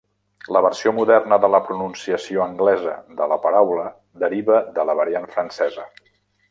La versió moderna de la pronunciació anglesa de la paraula deriva de la variant francesa.